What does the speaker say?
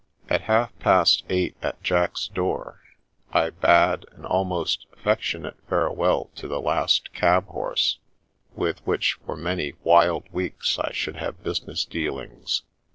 At half past eight at Jack's door, I bade an almost affectionate farewell to the last cabhorse with which for many wild weeks I should have business deal ings.